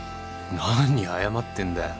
何謝ってんだよ。